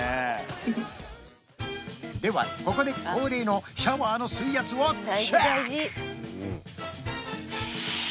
ではここで恒例のシャワーの水圧をチェック！